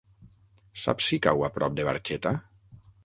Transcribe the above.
Saps si cau a prop de Barxeta?